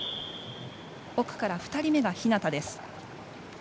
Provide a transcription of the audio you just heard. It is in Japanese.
奥から２人目が日向です。